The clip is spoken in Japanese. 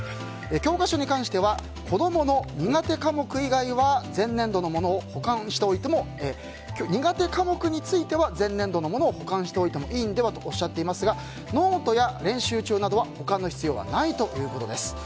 教科書に関しては子供の苦手科目以外は苦手科目のものについては前年度のものを保管しておいてもいいんじゃないかとおっしゃっていますがノートや練習帳などは保管の必要はないということです。